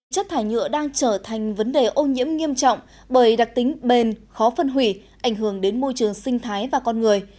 chất thải nhựa đang trở thành vấn đề ô nhiễm nghiêm trọng bởi đặc tính bền khó phân hủy ảnh hưởng đến môi trường sinh thái và con người